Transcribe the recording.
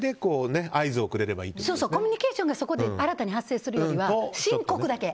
それがなしでコミュニケーションがそこで新たに発生するよりは申告だけ。